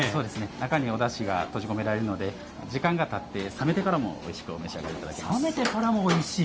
中におだしが閉じ込められるので時間がたって冷めてからもおいしくさめてからもおいしい。